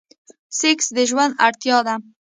سيکس د ژوند اړتيا ده.